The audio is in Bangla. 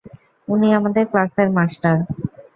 উনি আমাদের ক্লাসের মাস্টার।